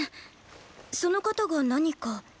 その方が何か？